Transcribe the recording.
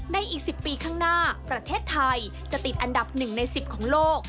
อีก๑๐ปีข้างหน้าประเทศไทยจะติดอันดับ๑ใน๑๐ของโลก